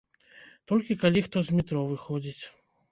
Толькі калі хто з метро выходзіць.